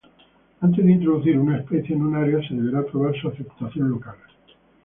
Antes de introducir una especie en un área, se deberá probar su aceptación local.